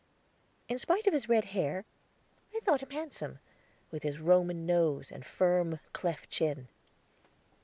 In spite of his red hair, I thought him handsome, with his Roman nose and firm, clefted chin.